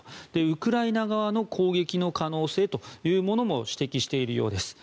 ウクライナ側の攻撃の可能性というものも指摘しているようです。